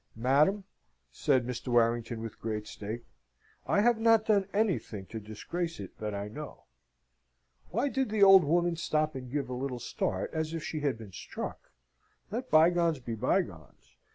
"Madam," said Mr. Warrington with great state, "I have not done anything to disgrace it that I know." Why did the old Woman stop and give a little start as if she had been struck? Let bygones be bygones.